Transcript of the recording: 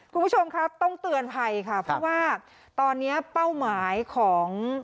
คุณผู้ชมครับต้องเตือนภัยค่ะเพราะว่าตอนนี้เป้าหมายของ